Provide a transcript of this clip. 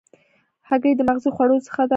هګۍ د مغذي خوړو څخه ده.